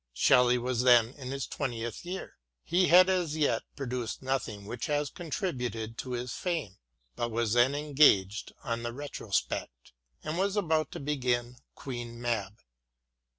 Shelley was then in his twentieth year. He had as yet produced nothing which has contributed to his fame, but was then engaged on the *' Retrospect," and was about to begin " Queen. Mab."